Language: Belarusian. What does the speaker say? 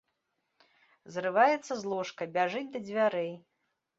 Зрываецца з ложка, бяжыць да дзвярэй.